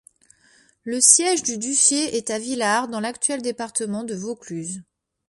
Le siège du duché est à Villars dans l'actuel département de Vaucluse.